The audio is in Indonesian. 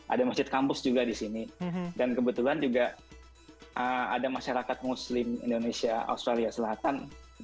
ada masjid kampus juga di sini dan kebetulan juga ada masyarakat muslim indonesia australia selatan